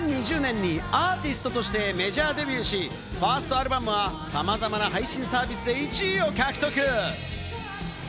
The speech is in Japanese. ２０２０年にアーティストとしてメジャーデビューし、ファーストアルバムはさまざまな配信サービスで１位を獲得。